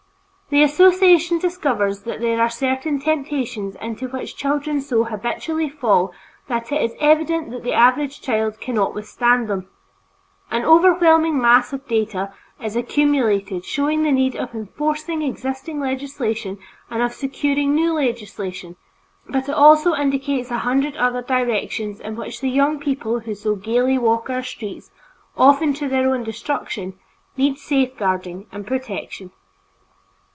The association discovers that there are certain temptations into which children so habitually fall that it is evident that the average child cannot withstand them. An overwhelming mass of data is accumulated showing the need of enforcing existing legislation and of securing new legislation, but it also indicates a hundred other directions in which the young people who so gaily walk our streets, often to their own destruction, need safeguarding and protection.